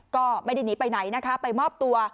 ก็ไม่ได้หนีไปไหนนะคะไปมอบตัว